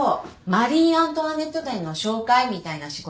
マリーアントワネット展の紹介みたいな仕事。